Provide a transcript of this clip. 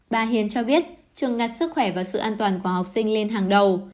bà hiền cho biết trường đặt sức khỏe và sự an toàn của học sinh lên hàng đầu